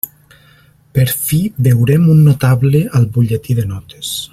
Per fi veurem un notable al butlletí de notes.